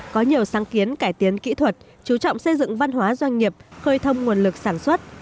có nhiều sáng kiến cải tiến kỹ thuật chú trọng xây dựng văn hóa doanh nghiệp khơi thông nguồn lực sản xuất